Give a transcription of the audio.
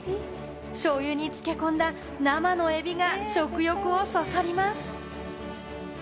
醤油に漬け込んだ生のエビが食欲をそそります。